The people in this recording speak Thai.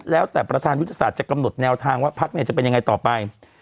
แล้วแต่ประธานยุทธศาสตร์จะกำหนดแนวทางว่าพักเนี่ยจะเป็นยังไงต่อไป